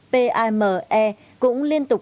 pime cũng liên tục